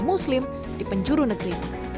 muslim di penjuru negeri